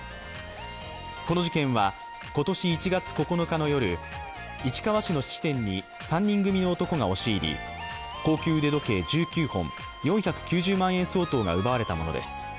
この事件は今年１月９日の夜、市川市の質店に３人組の男が押し入り高級腕時計１９本、４９０万円相当が奪われたものです。